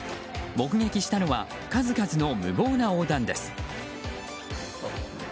目撃したのは数々の無謀な横断です。